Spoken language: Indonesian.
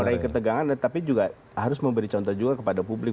mengurangi ketegangan tapi juga harus memberi contoh juga kepada publik